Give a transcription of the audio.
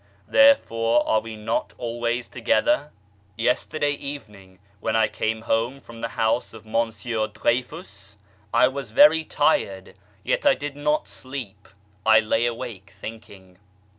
Therefore are we not always to gether ? Yesterday evening when I came home from the house of Monsieur Dreyfus I was very tired yet I did not sleep, I lay awake thinking.